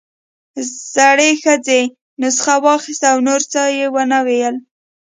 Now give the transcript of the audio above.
زړې ښځې نسخه واخيسته او نور څه يې ونه ويل.